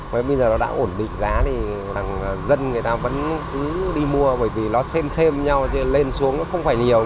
và bây giờ nó đã ổn định giá thì dân người ta vẫn cứ đi mua bởi vì nó xem thêm nhau lên xuống nó không phải nhiều